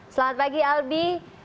selamat pagi albi